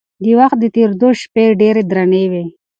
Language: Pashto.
د وخت د درېدو شېبې ډېرې درنې وي.